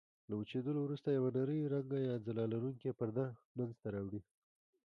له وچېدلو وروسته یوه نرۍ رنګه یا ځلا لرونکې پرده منځته راوړي.